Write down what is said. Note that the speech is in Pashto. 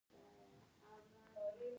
کله چې د مزغو د يو خاص کېميکل